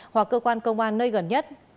hoặc cơ quan công an nơi gần nhất